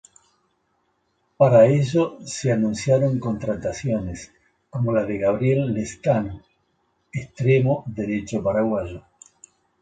Para ello se anunciaron contrataciones como la de Gabriel Lezcano, extremo derecho paraguayo.